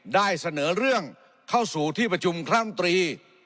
ได้เสนอเรื่องเข้าสู่ที่ประชุมคร่ำตรี